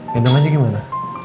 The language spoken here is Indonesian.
pendek aja gimana